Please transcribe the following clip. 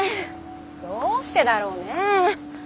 どうしてだろうね。